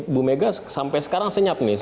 ibu megawati sampai sekarang senyap nih